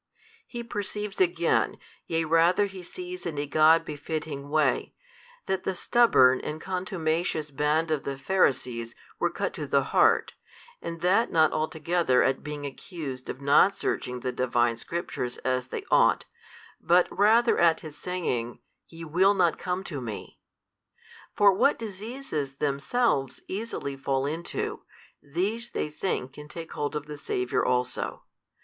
He perceives again, yea rather He sees in a God befitting way, that the stubborn and contumacious band of the Pharisees were cut to the heart, and that not altogether at being accused of not searching the Divine Scriptures as they ought, but rather at His saying, Ye will not come to Me. For what diseases themselves easily fall into, these they think can take hold of the Saviour also.